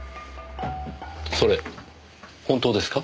それ本当ですか？